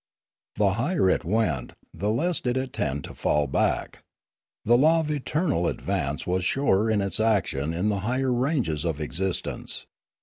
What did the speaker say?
The higher it went, the less did it tend to fall back. The law of eternal advance was surer in its action in the higher ranges of existence.